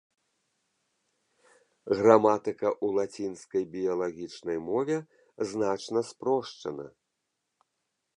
Граматыка ў лацінскай біялагічнай мове значна спрошчана.